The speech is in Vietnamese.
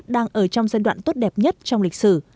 đang ở trong giai đoạn tốt đẹp nhất trong lịch sử